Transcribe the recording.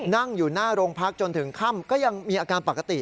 นั่งอยู่หน้าโรงพักจนถึงค่ำก็ยังมีอาการปกติ